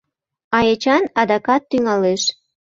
А Эчан адакат тӱҥалеш.